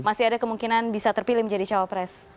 masih ada kemungkinan bisa terpilih menjadi cawapres